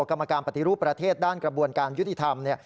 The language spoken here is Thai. กรรมการปฏิรูปประเทศด้านกระบวนการยุติธรรมเนี่ย